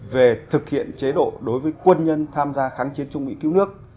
về thực hiện chế độ đối với quân nhân tham gia kháng chiến trung mỹ cứu nước